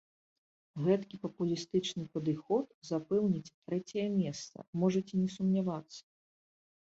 Гэткі папулістычны падыход запэўніць трэцяе месца, можаце не сумнявацца.